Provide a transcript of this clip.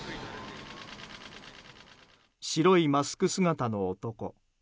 白いマスク姿の男。